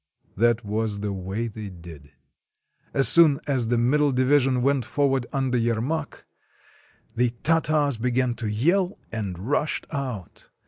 That was the way they did. As soon as the mxiddle division went forward under Yermak, the Tartars began to yell and rushed out.